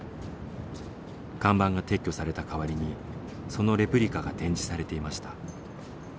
看板が撤去された代わりにそのレプリカが展示されていました。